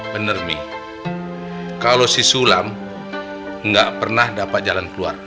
bener mi kalau si sulam nggak pernah dapat jalan keluar